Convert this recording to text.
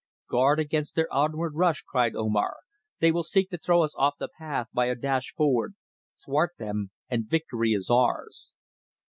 "Guard against their onward rush," cried Omar. "They will seek to throw us off the path by a dash forward. Thwart them, and victory is ours."